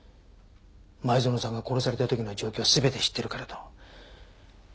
前園さんが殺された時の状況を全て知っているからと。